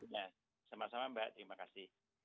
nah sama sama mbak terima kasih